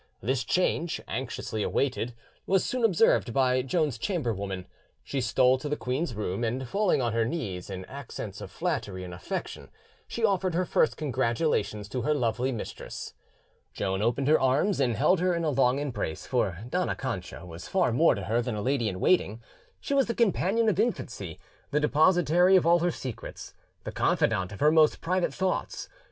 This change, anxiously awaited, was soon observed by Joan's chamberwoman: she stole to the queen's room, and falling on her knees, in accents of flattery and affection, she offered her first congratulations to her lovely mistress. Joan opened her arms and held her in a long embrace, for Dona Cancha was far more to her than a lady in waiting; she was the companion of infancy, the depositary of all her secrets, the confidante of her most private thoughts.